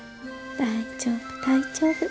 大丈夫大丈夫。